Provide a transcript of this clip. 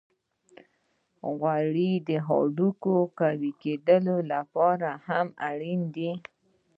غوړې د هډوکو د قوی کیدو لپاره هم اړینې دي.